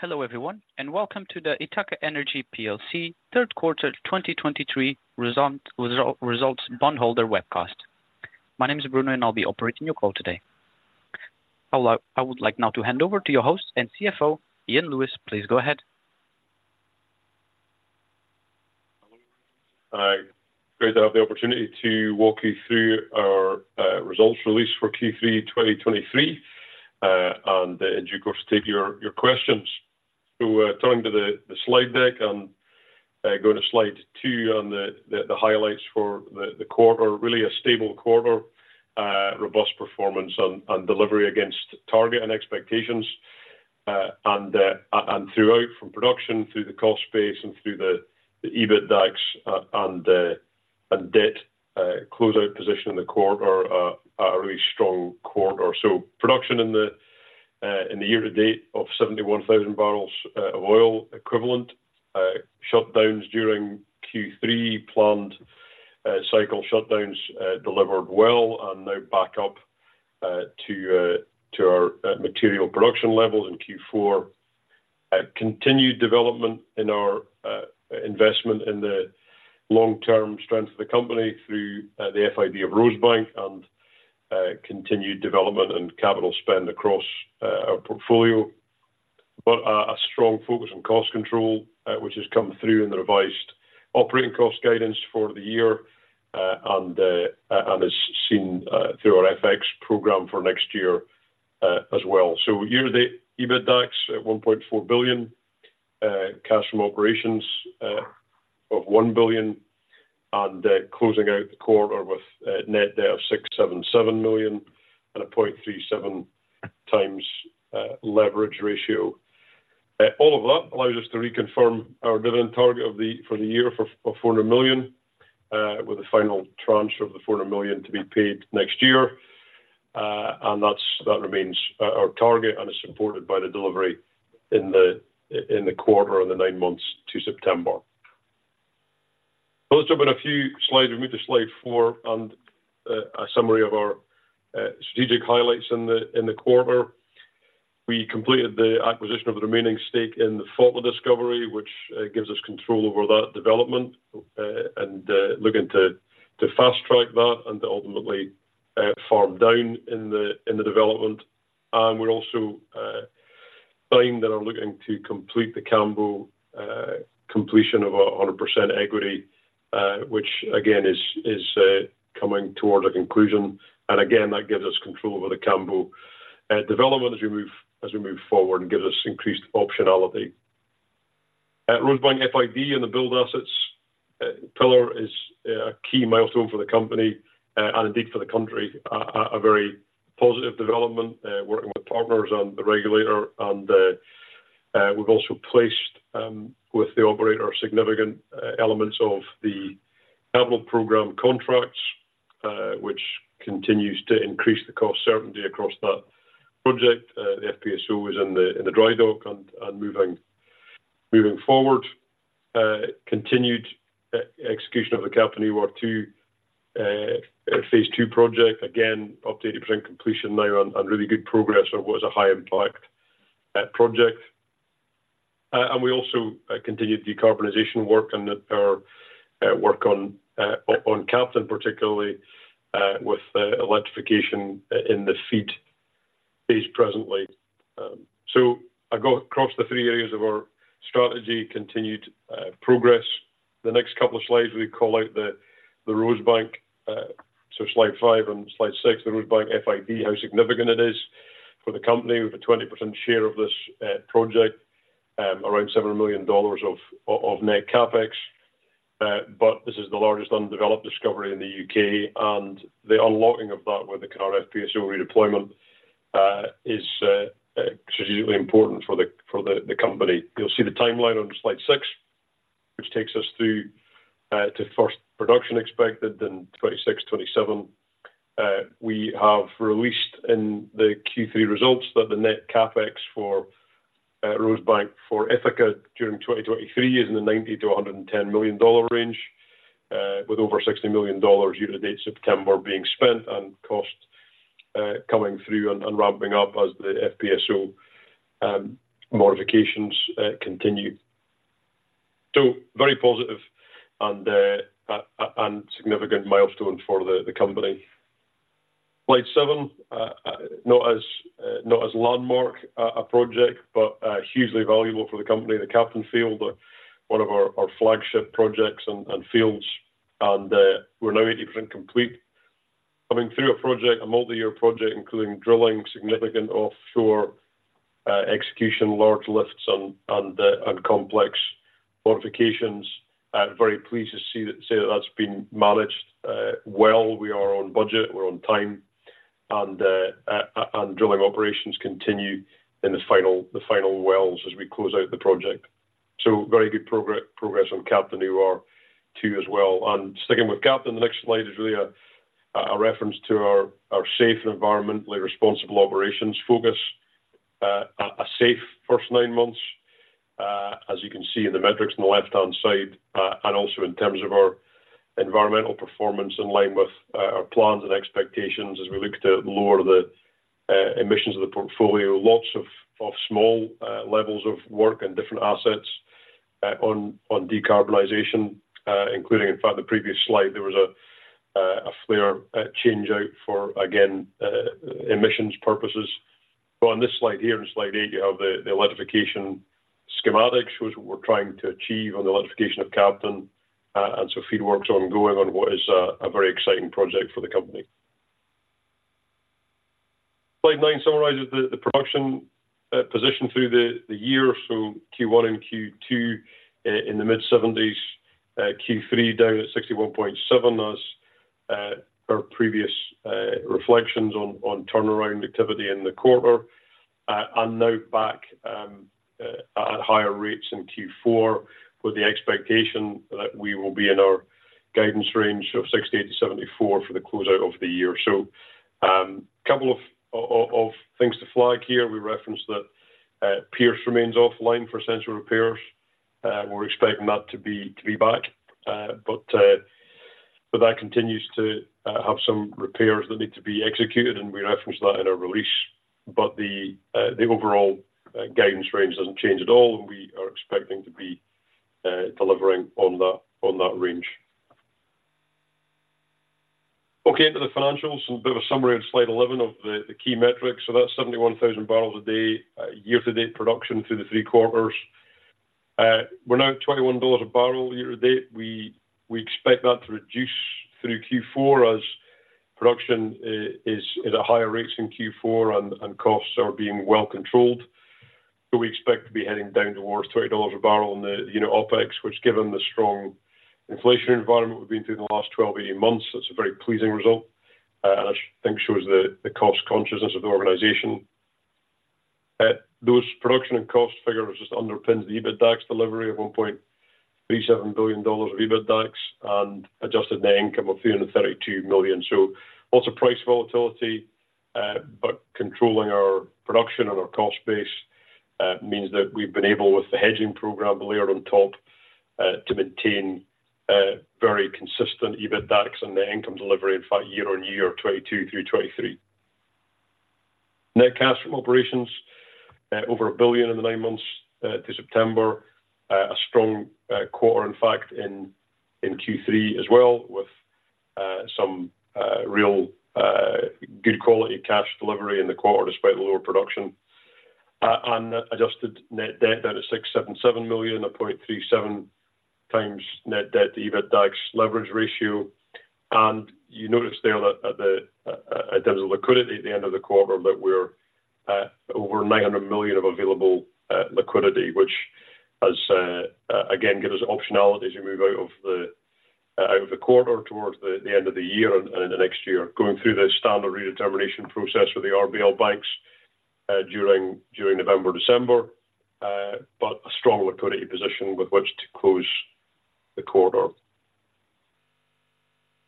Hello, everyone, and welcome to the Ithaca Energy plc third quarter 2023 results bondholder webcast. My name is Bruno, and I'll be operating your call today. I would like now to hand over to your host and CFO, Iain Lewis. Please go ahead. Hi. Great to have the opportunity to walk you through our, results release for Q3 2023, and, in due course, take your, your questions. So, turning to the, the slide deck on, go to slide two on the, the highlights for the, the quarter. Really a stable quarter, robust performance on, on delivery against target and expectations, and, and, and throughout from production through the cost base and through the, the EBITDAX, and the, and debt, closeout position in the quarter, are a really strong quarter. So production in the, in the year to date of 71,000 barrels, oil equivalent. Shutdowns during Q3, planned, cycle shutdowns, delivered well and now back up, to, to our, material production levels in Q4. Continued development in our investment in the long-term strength of the company through the FID of Rosebank and continued development and capital spend across our portfolio, but a strong focus on cost control, which has come through in the revised operating cost guidance for the year, and is seen through our FX program for next year, as well. So year-to-date, EBITDAX at $1.4 billion, cash from operations of $1 billion, and closing out the quarter with net debt of $677 million and a 0.37x leverage ratio. All of that allows us to reconfirm our dividend target of $400 million for the year, with a final tranche of the $400 million to be paid next year. And that's that remains our target, and it's supported by the delivery in the quarter on the nine months to September. So let's jump in a few slides. We move to slide four and a summary of our strategic highlights in the quarter. We completed the acquisition of the remaining stake in the Fotla discovery, which gives us control over that development, and looking to fast-track that and to ultimately farm down in the development. And we're also buying that are looking to complete the Cambo completion of 100% equity, which again is coming towards a conclusion. And again, that gives us control over the Cambo development as we move forward and gives us increased optionality. At Rosebank FID and the build assets pillar is a key milestone for the company, and indeed for the country, a very positive development, working with partners and the regulator. We've also placed with the operator significant elements of the capital program contracts, which continues to increase the cost certainty across that project. The FPSO is in the dry dock and moving forward. Continued execution of the Captain EOR phase two project. Again, up to 80% completion now and really good progress on what is a high impact project. And we also continued decarbonization work and our work on Captain, particularly with electrification in the FEED phase presently. So across the three areas of our strategy, continued progress. The next couple of slides, we call out the Rosebank. So slide 5 and slide 6, the Rosebank FID, how significant it is for the company with a 20% share of this project, around $7 million of net CapEx. But this is the largest undeveloped discovery in the U.K., and the unlocking of that with our FPSO redeployment is strategically important for the company. You'll see the timeline on slide 6, which takes us through to first production expected in 2026, 2027. We have released in the Q3 results that the net CapEx for Rosebank for Ithaca during 2023 is in the $90 million-$110 million range, with over $60 million year to date, September, being spent, and costs coming through and ramping up as the FPSO modifications continue. So very positive and significant milestone for the company. Slide 7, not as landmark a project, but hugely valuable for the company, the Captain field, one of our flagship projects and fields, and we're now 80% complete. Coming through a project, a multi-year project, including drilling, significant offshore execution, large lifts and complex modifications. Very pleased to see that that's been managed well. We are on budget, we're on time, and drilling operations continue in the final wells as we close out the project. So very good progress on Captain EOR 2 as well. And sticking with Captain, the next slide is really a reference to our safe and environmentally responsible operations focus. A safe first nine months as you can see in the metrics on the left-hand side, and also in terms of our environmental performance, in line with our plans and expectations as we look to lower the emissions of the portfolio. Lots of small levels of work and different assets on decarbonization, including, in fact, the previous slide, there was a flare change out for, again, emissions purposes. So on this slide here, in slide 8, you have the electrification schematic, shows what we're trying to achieve on the electrification of Captain, and so field work is ongoing on what is a very exciting project for the company. Slide 9 summarizes the production position through the year. So Q1 and Q2 in the mid-70s, Q3 down at 61.7 as our previous reflections on turnaround activity in the quarter. And now back at higher rates in Q4, with the expectation that we will be in our guidance range of 68-74 for the closeout of the year. So, a couple of things to flag here. We referenced that Pierce remains offline for essential repairs. We're expecting that to be back, but that continues to have some repairs that need to be executed, and we referenced that in our release, but the overall guidance range doesn't change at all, and we are expecting to be delivering on that range. Okay, into the financials. A bit of a summary on slide 11 of the key metrics. So that's 71,000 barrels a day year-to-date production through the three quarters. We're now at $21 a barrel year to date. We expect that to reduce through Q4 as production is at higher rates in Q4 and costs are being well controlled. But we expect to be heading down towards $20 a barrel on the, you know, OpEx, which given the strong inflation environment we've been through in the last 12, 18 months, that's a very pleasing result, and I think shows the, the cost consciousness of the organization. Those production and cost figures just underpins the EBITDAX delivery of $1.37 billion of EBITDAX and adjusted net income of $332 million. So lots of price volatility, but controlling our production and our cost base means that we've been able, with the hedging program layered on top, to maintain very consistent EBITDAX and net income delivery, in fact, year-over-year, 2022 through 2023. Net cash from operations over $1 billion in the nine months to September. A strong quarter, in fact, in Q3 as well, with some real good quality cash delivery in the quarter, despite the lower production. And adjusted net debt down at $677 million of 0.37x net debt to EBITDAX leverage ratio. And you notice there that at the in terms of liquidity at the end of the quarter, that we're at over $900 million of available liquidity, which has again give us optionality as you move out of the out of the quarter towards the end of the year and in the next year, going through the standard redetermination process with the RBL banks during November, December, but a strong liquidity position with which to close the quarter.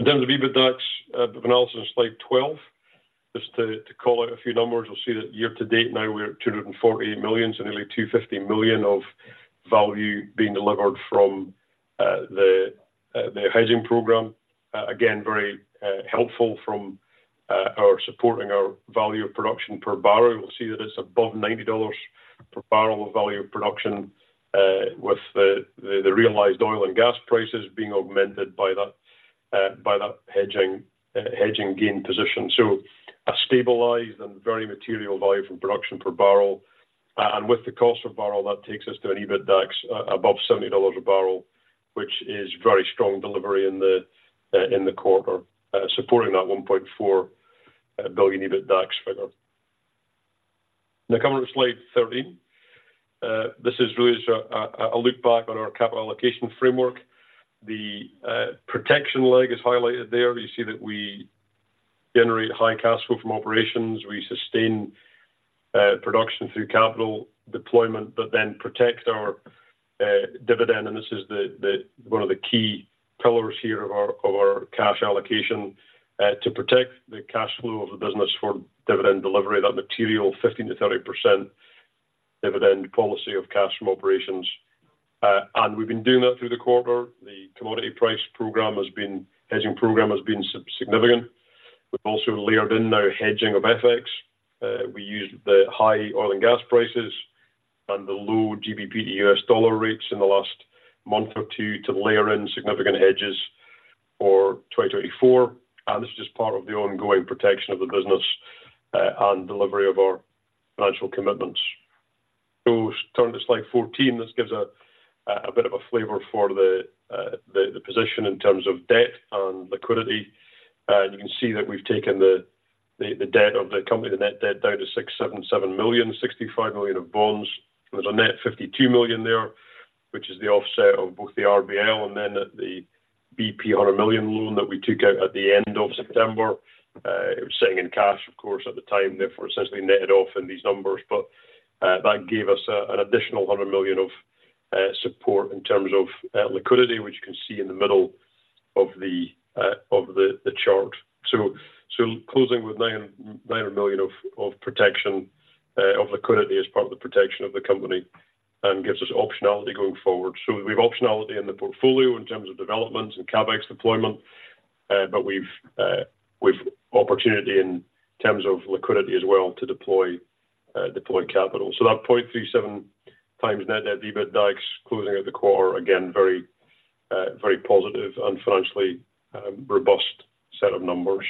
In terms of EBITDAX, a bit of analysis on slide 12. Just to call out a few numbers, you'll see that year to date now, we're at $248 million, so nearly $250 million of value being delivered from the hedging program. Again, very helpful from our supporting our value of production per barrel. You'll see that it's above $90 per barrel of value of production, with the realized oil and gas prices being augmented by that hedging gain position. So a stabilized and very material value from production per barrel, and with the cost per barrel, that takes us to an EBITDAX above $70 a barrel, which is very strong delivery in the quarter, supporting that $1.4 billion EBITDAX figure. Now coming to slide 13. This is really just a look back on our capital allocation framework. The protection leg is highlighted there. You see that we generate high cash flow from operations. We sustain production through capital deployment, but then protect our dividend, and this is the one of the key pillars here of our cash allocation to protect the cash flow of the business for dividend delivery, that material 15%-30% dividend policy of cash from operations. And we've been doing that through the quarter. The hedging program has been significant. We've also layered in now hedging of FX. We used the high oil and gas prices and the low GBP to US dollar rates in the last month or two to layer in significant hedges for 2024, and this is just part of the ongoing protection of the business, and delivery of our financial commitments. Turn to slide 14. This gives a bit of a flavor for the position in terms of debt and liquidity. You can see that we've taken the debt of the company, the net debt, down to $677 million, $65 million of bonds, with a net $52 million there, which is the offset of both the RBL and then the BP $100 million loan that we took out at the end of September. It was sitting in cash, of course, at the time, therefore, essentially netted off in these numbers. But that gave us an additional $100 million of support in terms of liquidity, which you can see in the middle of the chart. So closing with $900 million of protection of liquidity as part of the protection of the company and gives us optionality going forward. So we have optionality in the portfolio in terms of developments and CapEx deployment, but we've opportunity in terms of liquidity as well to deploy capital. So that 0.37x net debt to EBITDA closing out the quarter, again, very, very positive and financially robust set of numbers.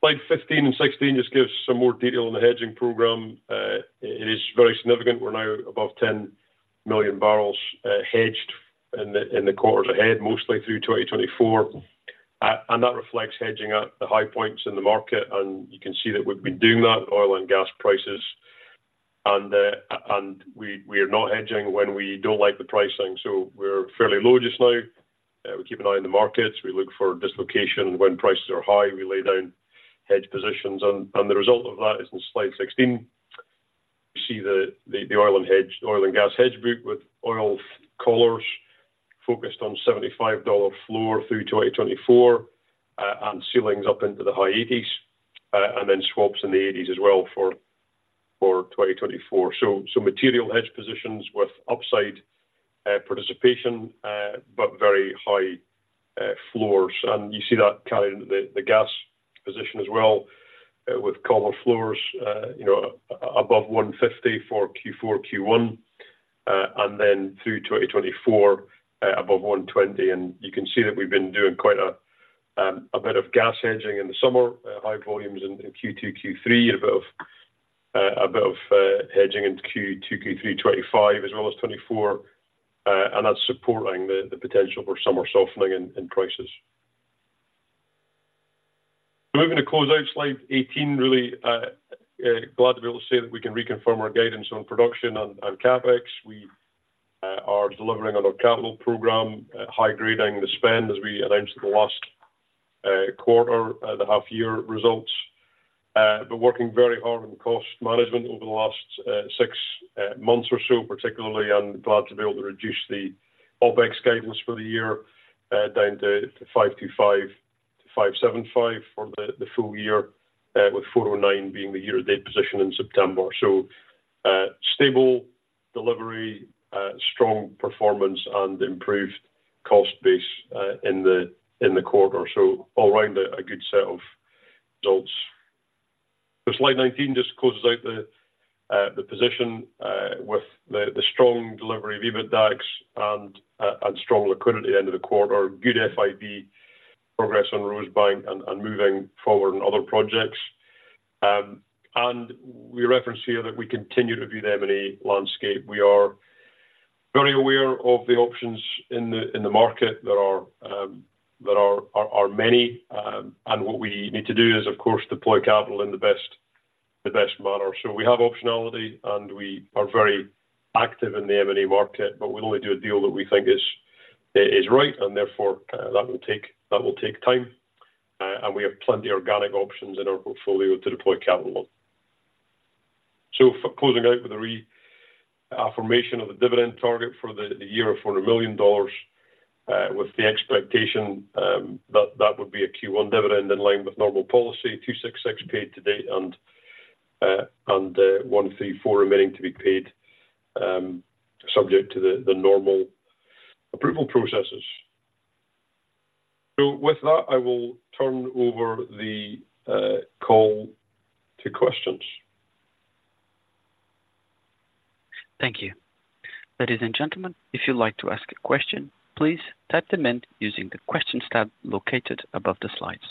Slide 15 and 16 just gives some more detail on the hedging program. It is very significant. We're now above 10 million barrels hedged in the quarters ahead, mostly through 2024. And that reflects hedging at the high points in the market, and you can see that we've been doing that, oil and gas prices. And we are not hedging when we don't like the pricing, so we're fairly low just now. We keep an eye on the markets. We look for dislocation. When prices are high, we lay down hedge positions, and the result of that is in slide 16. You see the oil and gas hedge group with oil collars focused on $75 floor through 2024, and ceilings up into the high 80s, and then swaps in the 80s as well for 2024. So, so material hedge positions with upside participation, but very high floors. And you see that carrying the, the gas position as well, with collar floors, you know, above $150 for Q4, Q1, and then through 2024, above $120. And you can see that we've been doing quite a, a bit of gas hedging in the summer, high volumes in, in Q2, Q3, a bit of, a bit of, hedging in Q2, Q3, 2025, as well as 2024, and that's supporting the, the potential for summer softening in, in prices. Moving to close out, slide 18, really glad to be able to say that we can reconfirm our guidance on production and, and CapEx. We are delivering on our capital program at high grading the spend, as we announced at the last quarter, at the half year results. We're working very hard on cost management over the last six months or so, particularly, I'm glad to be able to reduce the OpEx guidance for the year down to $525-$575 for the full year, with $409 being the year-to-date position in September. So, stable delivery, strong performance, and improved cost base in the quarter. So all around a good set of results. So slide 19 just closes out the position with the strong delivery of EBITDAX and strong liquidity at the end of the quarter, good FID progress on Rosebank and moving forward on other projects. And we reference here that we continue to view the M&A landscape. We are very aware of the options in the market. There are many, and what we need to do is, of course, deploy capital in the best manner. So we have optionality, and we are very active in the M&A market, but we only do a deal that we think is right, and therefore, that will take time. And we have plenty organic options in our portfolio to deploy capital. So for closing out with a reaffirmation of the dividend target for the year of $400 million, with the expectation that that would be a Q1 dividend in line with normal policy, $266 paid to date and $134 remaining to be paid, subject to the normal approval processes. So with that, I will turn over the call to questions. Thank you. Ladies and gentlemen, if you'd like to ask a question, please type them in using the Questions tab located above the slides.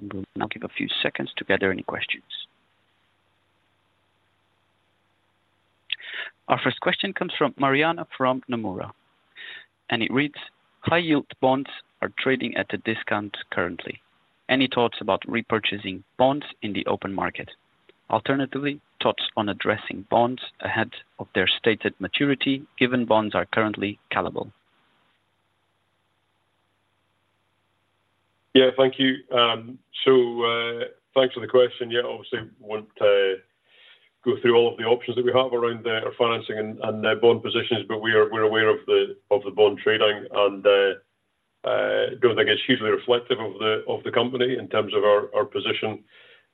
We'll now give a few seconds to gather any questions. Our first question comes from Mariana from Nomura, and it reads: High yield bonds are trading at a discount currently. Any thoughts about repurchasing bonds in the open market? Alternatively, thoughts on addressing bonds ahead of their stated maturity, given bonds are currently callable. Yeah, thank you. So, thanks for the question. Yeah, obviously, I want to go through all of the options that we have around our financing and the bond positions, but we're aware of the bond trading, and don't think it's hugely reflective of the company in terms of our position.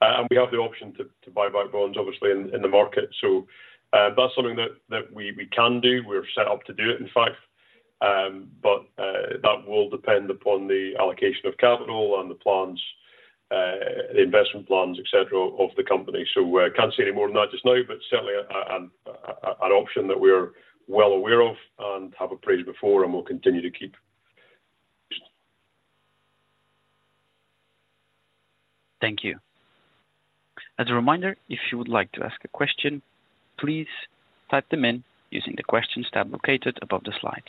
And we have the option to buy back bonds, obviously, in the market. So, that's something that we can do. We're set up to do it, in fact, but that will depend upon the allocation of capital and the plans, the investment plans, et cetera, of the company. So, can't say any more than that just now, but certainly, an option that we're well aware of and have appraised before, and we'll continue to keep. Thank you. As a reminder, if you would like to ask a question, please type them in using the Questions tab located above the slides.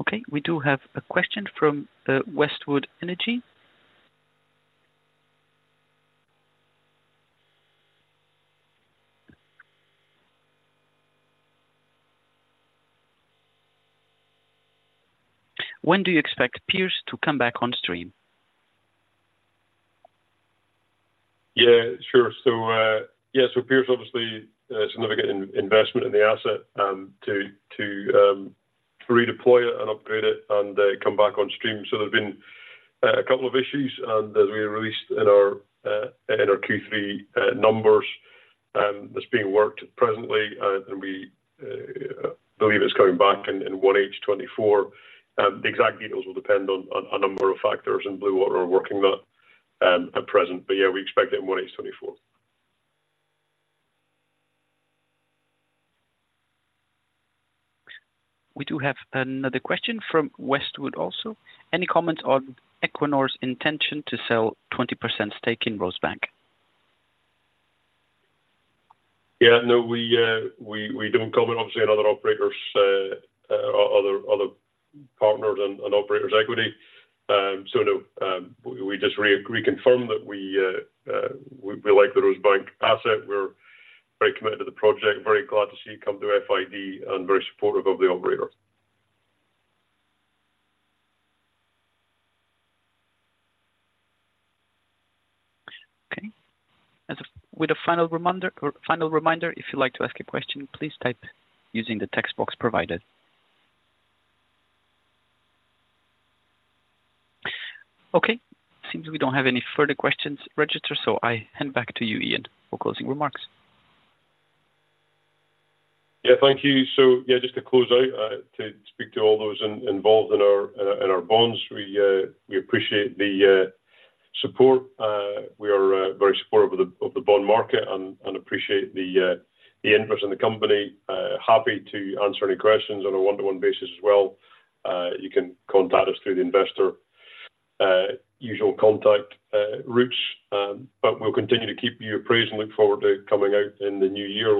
Okay, we do have a question from Westwood Energy. When do you expect Pierce to come back on stream? Yeah, sure. So, yeah, so Pierce, obviously, a significant investment in the asset, to redeploy it and upgrade it and come back on stream. So there have been a couple of issues, and as we released in our Q3 numbers, that's being worked presently, and we believe it's coming back in H1 2024. The exact details will depend on a number of factors, and Bluewater are working that at present. But, yeah, we expect it in H1 2024. We do have another question from Westwood also. Any comments on Equinor's intention to sell 20% stake in Rosebank? Yeah. No, we don't comment, obviously, on other operators' other partners and operators' equity. So no, we just reconfirm that we like the Rosebank asset. We're very committed to the project, very glad to see it come to FID, and very supportive of the operator. Okay. With a final reminder, if you'd like to ask a question, please type using the text box provided. Okay. Seems we don't have any further questions registered, so I hand back to you, Iain, for closing remarks. Yeah, thank you. So, yeah, just to close out, to speak to all those involved in our bonds, we appreciate the support. We are very supportive of the bond market and appreciate the interest in the company. Happy to answer any questions on a one-to-one basis as well. You can contact us through the investor usual contact routes. But we'll continue to keep you appraised and look forward to coming out in the new year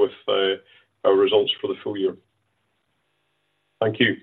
with our results for the full year. Thank you.